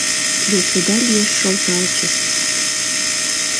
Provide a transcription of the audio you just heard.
Весыда лиеш шолталче».